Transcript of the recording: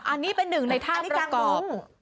อันนี้เป็นหนึ่งในท่าประกอบ